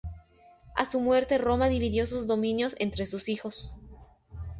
A su muerte Roma dividió sus dominios entre sus hijos.